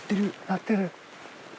鳴ってる？